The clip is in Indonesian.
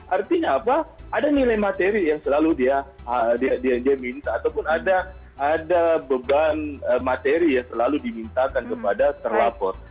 artinya apa ada nilai materi yang selalu dia minta ataupun ada beban materi yang selalu dimintakan kepada terlapor